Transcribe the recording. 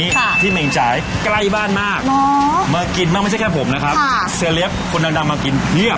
จะกัดตอนที่เนยฮ๊าที่แม่งจ่ายใกล้บ้านมากมากินไม่ใช่แค่ผมนะครับเสร็จเรียบคนดังมากินเพียบ